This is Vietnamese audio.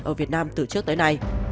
ở việt nam từ trước tới nay